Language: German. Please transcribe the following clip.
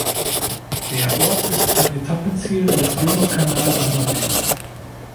Der Ort ist ein Etappenziel des Römerkanal-Wanderwegs.